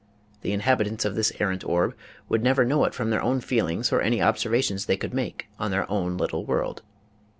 The inhabitants of this errant orb would never know it from their own feelings or any observations they could make on their own little world.